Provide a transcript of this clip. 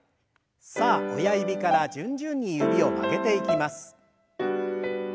さあ親指から順々に指を曲げていきます。